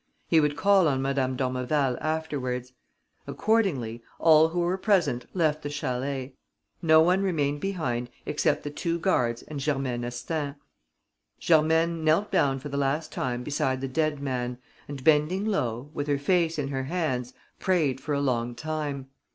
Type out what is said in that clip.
He would call on Madame d'Ormeval afterwards. Accordingly, all who were present left the chalet. No one remained behind except the two guards and Germaine Astaing. Germaine knelt down for the last time beside the dead man and, bending low, with her face in her hands, prayed for a long time.